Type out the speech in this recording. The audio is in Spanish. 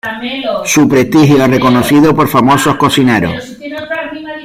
Su prestigio es reconocido por famosos cocineros.